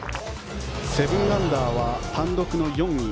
７アンダーは単独の４位。